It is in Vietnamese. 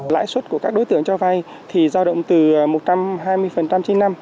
lãi suất của các đối tượng cho vay thì giao động từ một trăm hai mươi trên năm